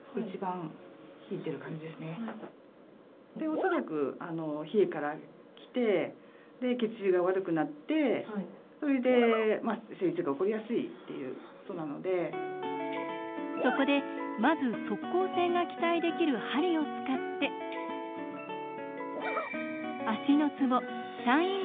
恐らくそこでまず即効性が期待できる鍼を使って足のツボ三陰交を刺激。